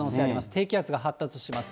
低気圧が発達します。